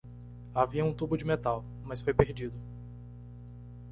Havia um tubo de metal, mas foi perdido